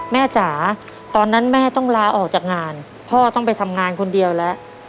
จ๋าตอนนั้นแม่ต้องลาออกจากงานพ่อต้องไปทำงานคนเดียวแล้ว